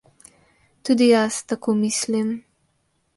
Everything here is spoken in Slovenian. Tudi jaz tako mislim.